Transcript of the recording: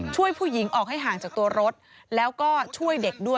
ช่วยผู้หญิงออกให้ห่างจากตัวรถแล้วก็ช่วยเด็กด้วย